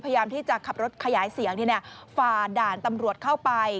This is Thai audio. พยายามที่จะขับรถขยายเสียงฝ่าด่านตำรวจเข้าไป